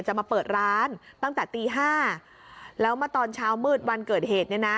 จะมาเปิดร้านตั้งแต่ตี๕แล้วมาตอนเช้ามืดวันเกิดเหตุ